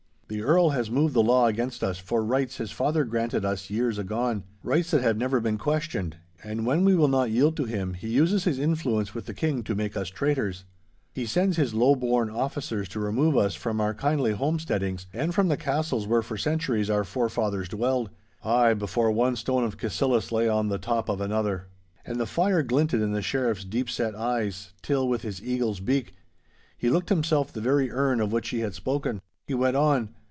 The Earl has moved the law against us for rights his father granted us years agone, rights that have never been questioned, and when we will not yield to him, he uses his influence with the King to make us traitors. He sends his low born officers to remove us from our kindly homesteadings, and from the castles where for centuries our forefathers dwelled—ay, before one stone of Cassillis lay on the top of another.' And the fire glinted in the Sheriff's deep set eyes, till, with his eagle's beak, he looked himself the very erne of which he had spoken. He went on.